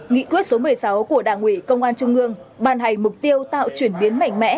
nghị quyết số một mươi sáu của đảng ủy công an trung ương ban hành mục tiêu tạo chuyển biến mạnh mẽ